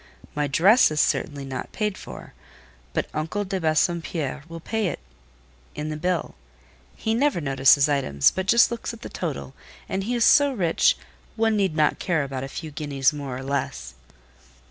My dress is certainly not paid for, but uncle de Bassompierre will pay it in the bill: he never notices items, but just looks at the total; and he is so rich, one need not care about a few guineas more or less."